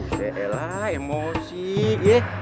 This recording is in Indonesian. udah lah emosi ye